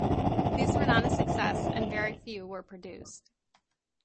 These were not a success and very few were produced.